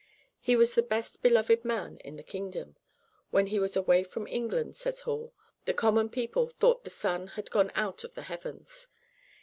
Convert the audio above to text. He was the best beloved man in the kingdom. When he was away from England, says Hall, the common people thought the sun had gone out of the heavens.